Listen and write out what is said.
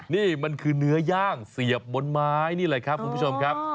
นี่มันคือเนื้อย่างเสียบบนไม้นี่แหละครับคุณผู้ชมครับ